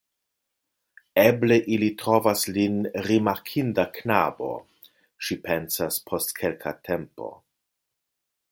Eble ili trovas lin rimarkinda knabo, ŝi pensas post kelka tempo.